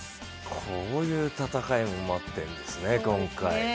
こういう戦いも待っているんですね、今回。